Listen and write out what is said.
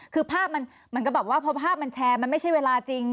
คือภาพมันก็แบบว่ากภาพมันแชร์มันไม่ใช่เวลาจริง